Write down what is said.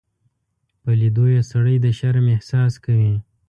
په لیدو یې سړی د شرم احساس کوي.